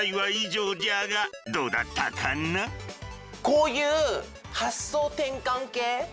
こういう発想転換系？